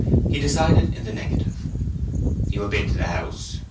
He decided in the negative. "You have been to the house?"